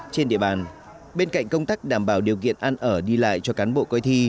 trên địa bàn bên cạnh công tác đảm bảo điều kiện ăn ở đi lại cho cán bộ coi thi